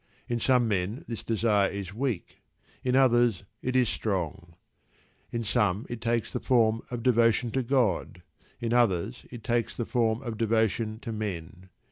In some men this desire is weak, in others it is strong. In some it takes the form of devotion to "God," in others it takes the form of devotion to men.